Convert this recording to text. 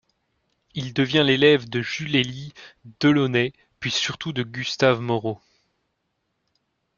Il devient l'élève de Jules-Élie Delaunay puis surtout de Gustave Moreau.